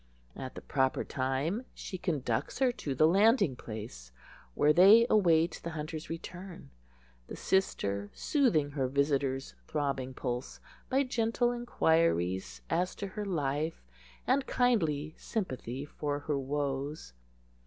At the proper time she conducts her to the landing place, where they await the hunter's return, the sister soothing her visitor's throbbing pulse by gentle inquiries as to her life and kindly sympathy for her woes.